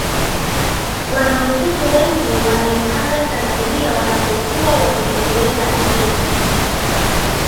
wanamuziki wengi wanaitanga tanzania wanapokuwa wakitumbuiza nje ya nchi